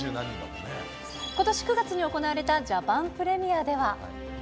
ことし９月に行われたジャパンプレミアでは。